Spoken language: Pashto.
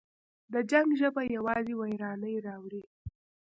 د جنګ ژبه یوازې ویرانی راوړي.